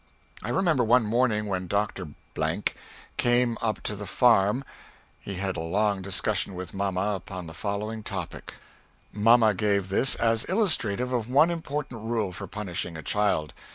I remember one morning when Dr. came up to the farm he had a long discussion with mamma, upon the following topic. Mamma gave this as illustrative of one important rule for punishing a child.